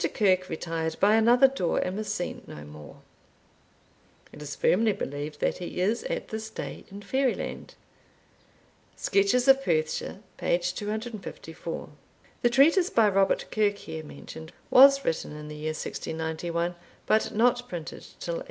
Kirke retired by another door, and was seen no wore. It is firmly believed that he is, at this day, in Fairyland." (Sketches of Perthshire, p. 254.) [The treatise by Robert Kirke, here mentioned, was written in the year 1691, but not printed till 1815.